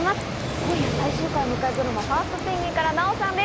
今夜、最終回を迎えるドラマ『ファーストペンギン！』から奈緒さんです。